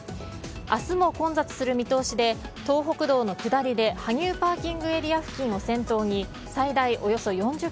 明日も混雑する見通しで東北道の下りで羽生ＰＡ付近を先頭に最大およそ４０ｋｍ。